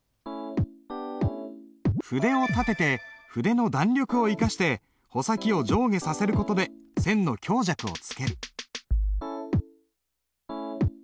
筆を立てて筆の弾力を生かして穂先を上下させる事で線の強弱をつける。